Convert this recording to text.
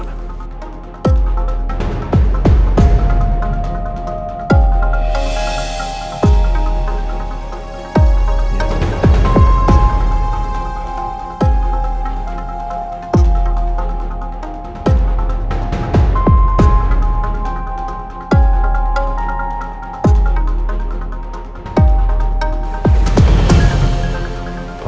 aduh keren ya